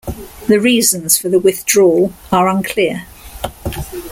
The reasons for the withdrawal are unclear.